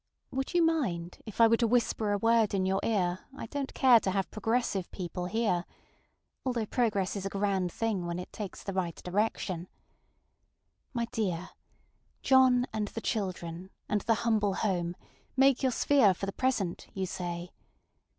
Would you mind if I were to whisper a word in your ear I donŌĆÖt care to have progressive people hear? ŌĆöalthough progress is a grand thing when it takes the right direction. My dear, John and the children, and the humble home, make your sphere for the present, you say.